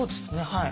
はい。